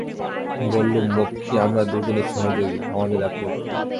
বললুম, মক্ষী, আমরা দুজনে সহযোগী, আমাদের এক লক্ষ্য।